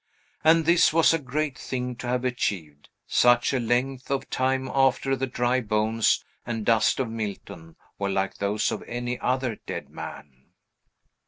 And this was a great thing to have achieved, such a length of time after the dry bones and dust of Milton were like those of any other dead man.